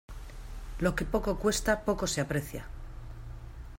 Lo que poco cuesta poco se aprecia.